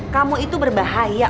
kamu itu berbahaya